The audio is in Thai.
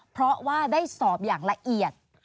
เพราะว่าได้สอบอย่างละเอียด